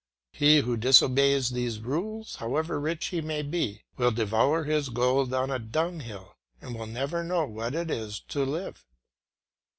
He who disobeys these rules, however rich he may be, will devour his gold on a dung hill, and will never know what it is to live.